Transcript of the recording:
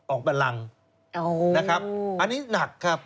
ออกไปรังนะครับอันนี้หนักครับ